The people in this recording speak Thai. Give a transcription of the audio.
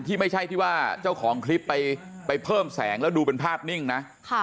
ที่ไม่ใช่ที่ว่าเจ้าของคลิปไปเพิ่มแสงแล้วดูเป็นภาพนิ่งนะ